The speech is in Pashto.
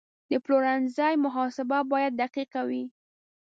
د پلورنځي محاسبه باید دقیقه وي.